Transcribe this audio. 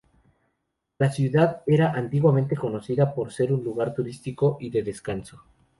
La ciudad era antiguamente conocida por ser un lugar turístico y de descanso.